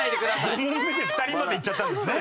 ５問目で２人までいっちゃったんですね。